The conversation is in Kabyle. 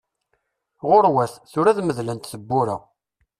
Ɣuṛwat, tura ad medlent tebbura!